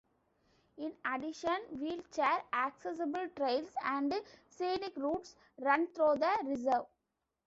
In addition, wheelchair-accessible trails and scenic routes run through the reserve.